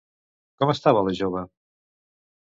Com estava la jove?